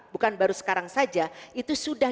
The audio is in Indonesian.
bukan baru sekarang saja itu sudah